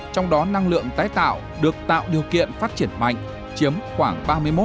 trong đó năng lượng tái tạo được tạo điều kiện phát triển mạnh chiếm khoảng ba mươi một ba mươi chín